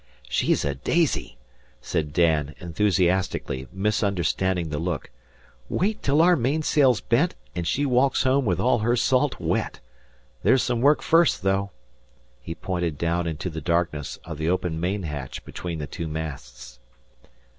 "She's a daisy," said Dan, enthusiastically, misunderstanding the look. "Wait till our mainsail's bent, an' she walks home with all her salt wet. There's some work first, though." He pointed down into the darkness of the open main hatch between the two masts.